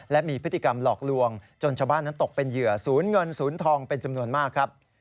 และมีพฤติกรรมหลอกลวงจนชาวบ้านนั้นตกเป็นเหยื่อศูนย์เงินศูนย์ทองเป็นจำนวนมากครับ